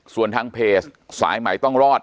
ส่วนทางเพจสายใหม่ต้องรอด